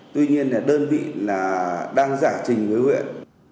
tuy nhiên là đơn vị là đang giải trình với huyện